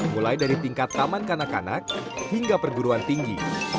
mulai dari tingkat taman kanak kanak hingga perguruan tinggi